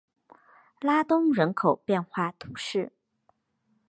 拉东人口变化图示